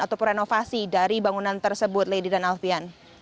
ataupun renovasi dari bangunan tersebut lady dan alfian